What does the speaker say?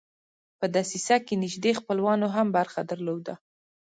په دسیسه کې نیژدې خپلوانو هم برخه درلوده.